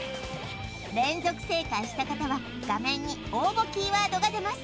連続正解した方は画面に応募キーワードが出ます